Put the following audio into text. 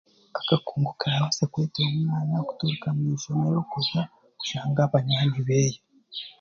Akakungu karabaasa kureetera omwana kutoroka omu ishomero kuza kushanga banywani beeye